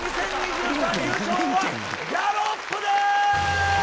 優勝はギャロップです！